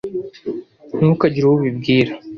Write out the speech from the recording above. Ntukagire uwo ubibwira.